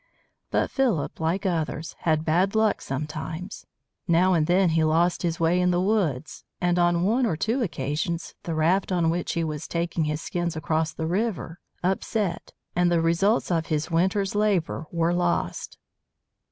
But Philip, like others, had bad luck sometimes. Now and then he lost his way in the woods, and on one or two occasions the raft on which he was taking his skins across the river upset and the results of his winter's labor were lost.